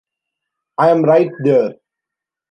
I'm right there.